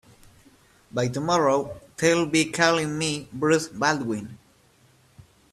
By tomorrow they'll be calling me Bruce Baldwin.